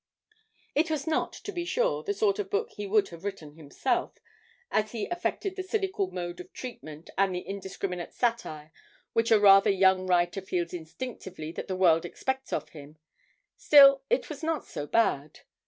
It was not, to be sure, the sort of book he would have written himself, as he affected the cynical mode of treatment and the indiscriminate satire which a rather young writer feels instinctively that the world expects from him. Still, it was not so bad.